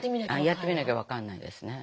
やってみなきゃ分かんないですね。